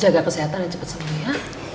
jangan kesehatan dan cepet sembuh ya